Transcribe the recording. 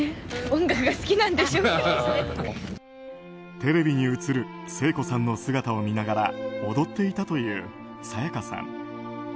テレビに映る聖子さんの姿を見ながら踊っていたという沙也加さん。